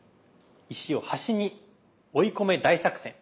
「石を端に追い込め大作戦」。